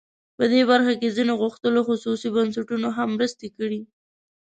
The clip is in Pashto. په دې برخه کې ځینو غښتلو خصوصي بنسټونو هم مرستې کړي.